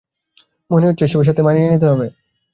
মনে হচ্ছে এসবের সাথে মানিয়ে নিতে হবে।